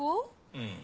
うん。